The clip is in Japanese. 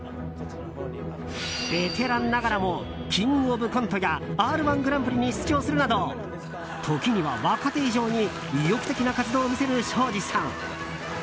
ベテランながらも「キングオブコント」や「Ｒ‐１グランプリ」に出場するなど時には若手以上に意欲的な活動を見せるショージさん。